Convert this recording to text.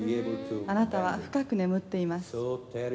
「あなたは深く眠っています」